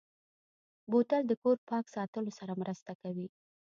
بوتل د کور پاک ساتلو سره مرسته کوي.